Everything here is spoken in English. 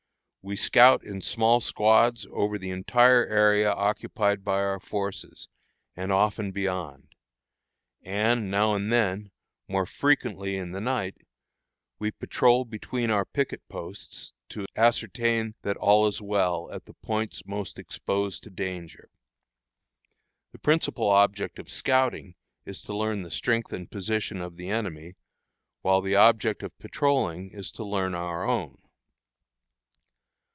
We scout in small squads over the entire area occupied by our forces, and often beyond; and, now and then, more frequently in the night, we patrol between our picket posts, to ascertain that all is well at the points most exposed to danger. The principal object of scouting is to learn the strength and position of the enemy, while the object of patrolling is to learn our own.